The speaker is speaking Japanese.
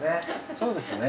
そうですね。